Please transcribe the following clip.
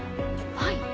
「はい」？